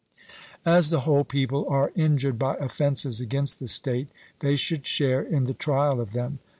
As the whole people are injured by offences against the state, they should share in the trial of them.